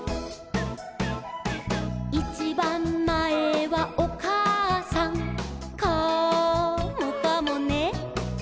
「いちばんまえはおかあさん」「カモかもね」